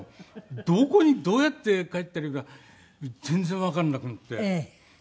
どこにどうやって帰ったらいいか全然わからなくなって。